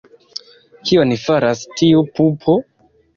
Kion faras tiu pupo?